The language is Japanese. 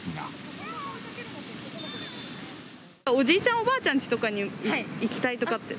おじいちゃん、おばあちゃんちとかに行きたいとかって。